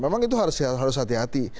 memang itu harus hati hati